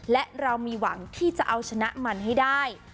และเรามีหวังที่จะเอาชนะมันให้ได้